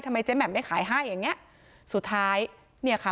เจ๊แหม่มได้ขายให้อย่างเงี้ยสุดท้ายเนี่ยค่ะ